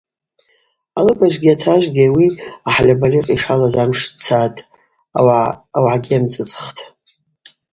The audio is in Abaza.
Алыгажвгьи атажвгьи ауи ахӏальабальыкъ йшалаз амш цатӏ, ауагӏагьи амцӏыцӏхитӏ.